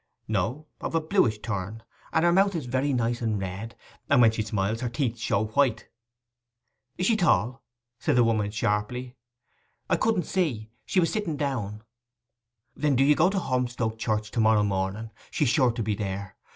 'No—of a bluish turn, and her mouth is very nice and red; and when she smiles, her teeth show white.' 'Is she tall?' said the woman sharply. 'I couldn't see. She was sitting down.' 'Then do you go to Holmstoke church to morrow morning: she's sure to be there.